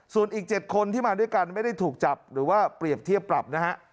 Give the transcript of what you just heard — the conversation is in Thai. ส่วนอีก๗คนที่มาด้วยกันไม่ได้ถูกจับหรือว่าเปรียบเทียบปรับนะฮะ